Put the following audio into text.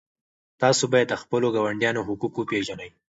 تاسو باید د خپلو ګاونډیانو حقوق وپېژنئ.